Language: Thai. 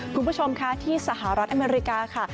คุณผู้ชมค่ะที่สหรัฐอเมริกาค่ะ